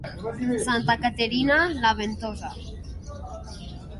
Santa Caterina, la ventosa.